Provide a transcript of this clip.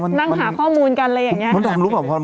นั่งหาข้อมูลกันอะไรอย่างนี้